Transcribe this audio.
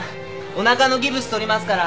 おなかのギプス取りますから。